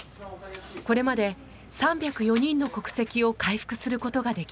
これまで３０４人の国籍を回復することができました。